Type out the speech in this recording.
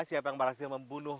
siapa yang berhasil membunuh